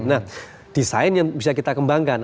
nah desain yang bisa kita kembangkan